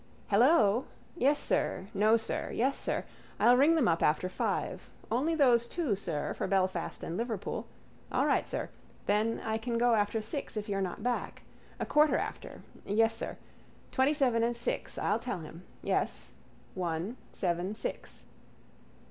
—Hello. Yes, sir. No, sir. Yes, sir. I'll ring them up after five. Only those two, sir, for Belfast and Liverpool. All right, sir. Then I can go after six if you're not back. A quarter after. Yes, sir. Twentyseven and six. I'll tell him. Yes: one, seven, six.